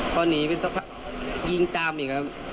พอหนีไปสักพักยิงตามอีกครับ